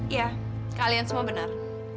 iya kalian semua benar